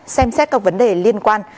xem xét các vấn đề liên quan